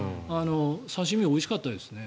刺し身、おいしかったですね。